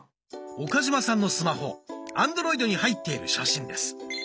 岡嶋さんのスマホアンドロイドに入っている写真です。